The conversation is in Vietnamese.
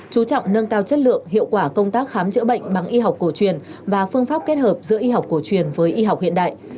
chú trọng nâng cao chất lượng hiệu quả công tác khám chữa bệnh bằng y học cổ truyền và phương pháp kết hợp giữa y học cổ truyền với y học hiện đại